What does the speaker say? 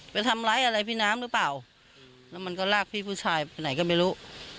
ไปทำร้ายอะไรพี่น้ำหรือเปล่าแล้วมันก็ลากพี่ผู้ชายไปไหนก็ไม่รู้